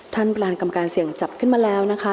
ประธานกรรมการเสี่ยงจัดขึ้นมาแล้วนะคะ